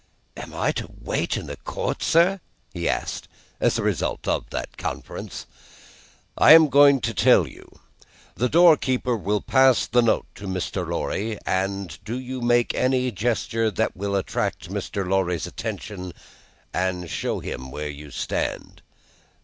"Am I to wait in the court, sir?" he asked, as the result of that conference. "I am going to tell you. The door keeper will pass the note to Mr. Lorry, and do you make any gesture that will attract Mr. Lorry's attention, and show him where you stand.